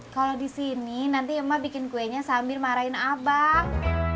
kalau di sini nanti emak bikin kuenya sambil marahin abang